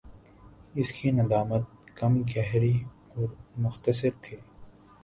اس کی ندامت کم گہری اور مختصر تھِی